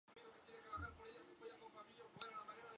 nosotras comeremos